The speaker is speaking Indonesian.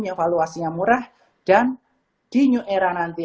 yang valuasinya murah dan di new era nanti